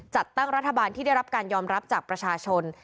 จัดตั้งรัฐบาลที่ได้รับการยอมรับจากประชาชน